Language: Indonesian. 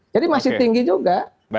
jadi masih tinggi juga